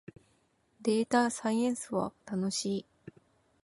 データサイエンスは楽しい